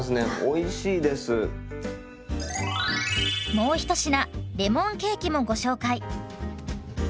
もう一品レモンケーキもご紹介。